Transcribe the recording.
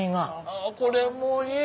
あこれもいい！